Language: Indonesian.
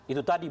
itu tadi bahan